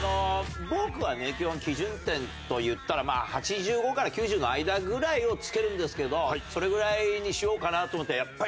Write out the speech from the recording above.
僕はね基本基準点といったらまあ８５から９０の間ぐらいをつけるんですけどそれぐらいにしようかなと思ったらやっぱり。